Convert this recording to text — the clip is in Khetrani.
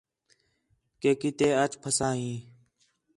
کہ کِتے اَچ پَھسا ہیں